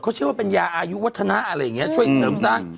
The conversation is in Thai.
เขาเชื่อว่าเป็นยาอายุวัฒนะอะไรอย่างนี้ช่วยเสริมสร้าง